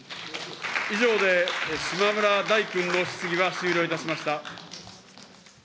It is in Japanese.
以上で島村大君の質疑は終了いたしました。